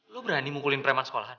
lo berani mukulin preman sekolahan